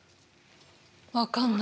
分かんない。